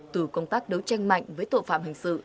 từ công tác đấu tranh mạnh với tội phạm hình sự